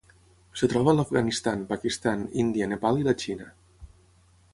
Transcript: Es troba a l'Afganistan, Pakistan, Índia, Nepal i la Xina.